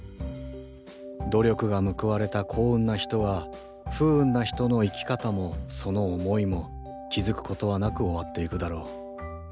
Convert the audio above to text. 努力が報われた幸運な人は不運な人の生き方もその思いも気付くことはなく終わっていくだろう。